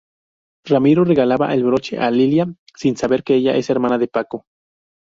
Ramiro regala el broche a Lilia, sin saber que ella es hermana de Paco.